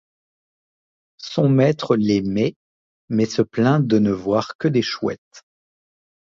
Son maître les met, mais se plaint de ne voir que des chouettes.